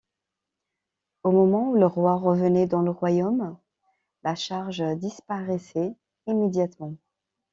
Au moment où le roi revenait dans le royaume, la charge disparaissait immédiatement.